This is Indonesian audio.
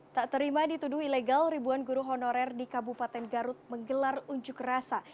tak terima dituduh ilegal ribuan guru honorer di kabupaten garut menggelar unjuk rasa